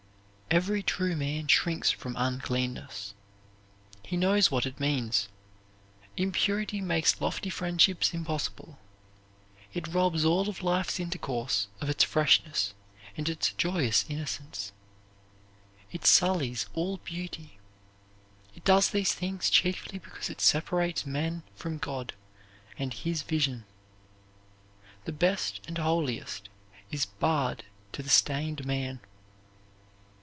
Every true man shrinks from uncleanness. He knows what it means. Impurity makes lofty friendships impossible. It robs all of life's intercourse of its freshness and its joyous innocence. It sullies all beauty. It does these things chiefly because it separates men from God and His vision. The best and holiest is barred to the stained man.